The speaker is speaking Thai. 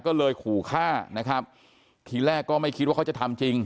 ก็เลยขู่ฆ่านะครับทีแรกก็ไม่คิดว่าเขาจะทำจริง